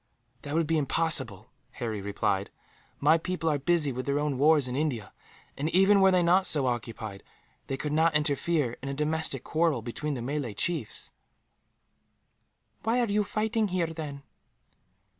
"That would be impossible," Harry replied; "my people are busy with their own wars in India and, even were they not so occupied, they could not interfere in a domestic quarrel between the Malay chiefs." "Why are you fighting here, then?"